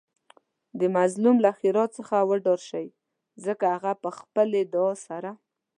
د مظلوم له ښیرا څخه وډار شئ ځکه هغه په خپلې دعاء سره